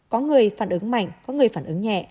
có người phản ứng mạnh có người phản ứng nhẹ